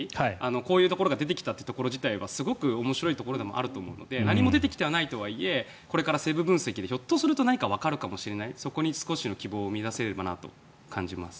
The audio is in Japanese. こういうところが出てきたということ自体はすごく面白いところでもあると思うので何も出てきていないとはいえこれから成分分析でひょっとすると何かわかるかもしれないそこに少しの希望を見出せればなと思います。